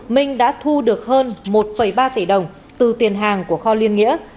minh đã thu được hơn một ba tỷ đồng từ tiền hàng của kho liên nghĩa